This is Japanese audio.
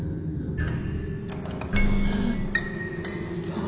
ああ。